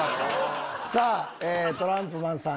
トランプマンさん